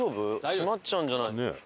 閉まっちゃうんじゃない？